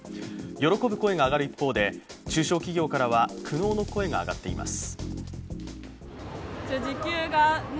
喜ぶ声が上がる一方で中小企業からは苦悩の声が上がっています。